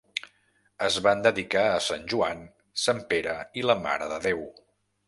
Es van dedicar a sant Joan, sant Pere i la Mare de Déu.